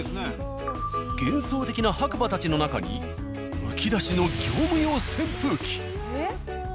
幻想的な白馬たちの中にむき出しの業務用扇風機。